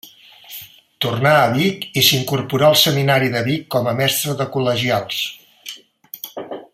Tornà a Vic i s'incorporà al Seminari de Vic com a mestre de col·legials.